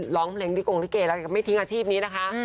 ร้องเพลงลิกงลิเกแล้วไม่ทิ้งอาชีพนี้นะคะ